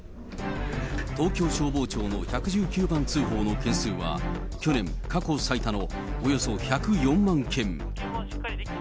東京消防庁の１１９番通報の件数は去年、過去最多のおよそ１０４万件。